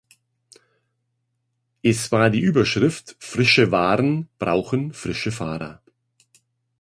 Es war die Überschrift: Frische Waren brauchen frische Fahrer.